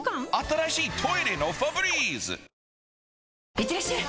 いってらっしゃい！